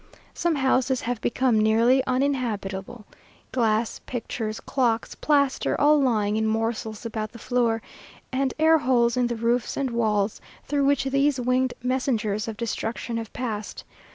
Some houses have become nearly uninhabitable glass, pictures, clocks, plaster, all lying in morsels about the floor, and air holes in the roofs and walls, through which these winged messengers of destruction have passed.